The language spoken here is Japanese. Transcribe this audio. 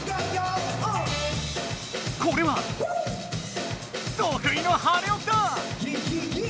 これはとくいの跳ね起きだ！